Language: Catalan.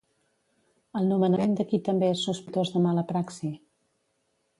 El nomenament de qui també és sospitós de mala praxi?